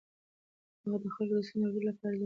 هغه د خلکو د ستونزو اورېدو لپاره ځانګړي وختونه ټاکلي وو.